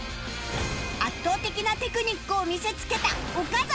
圧倒的なテクニックを見せつけた岡か？